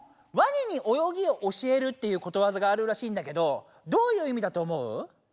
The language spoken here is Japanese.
ワニに泳ぎを教えるっていうことわざがあるらしいんだけどどういう意味だと思う？